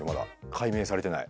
解明されてない。